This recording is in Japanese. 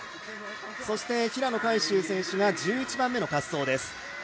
そして平野海祝選手が１１番目の滑走です。